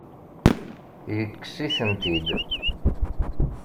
Yekkes-itent-id?